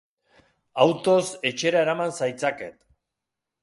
Autoz etxera eraman zaitzaket.